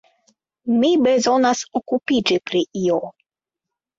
Mi bezonas okupiĝi pri io.